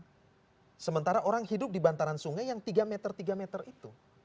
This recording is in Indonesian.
nah sementara orang hidup di bantaran sungai yang tiga meter tiga meter itu